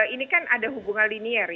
ini kan ada hubungan linier ya